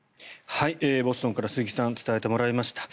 ボストンから鈴木さんに伝えてもらいました。